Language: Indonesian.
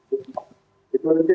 ini sudah kita tentang dikaitkan